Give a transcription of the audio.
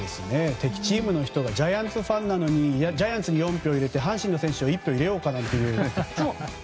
敵チームの人がジャイアンツファンなのにジャイアンツに４票入れて阪神の選手に１票入れようかなんていう。